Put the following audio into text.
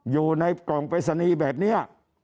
อยู่ในกล่องปริศนีย์แบบนี้